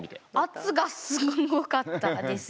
圧がすごかったですよ。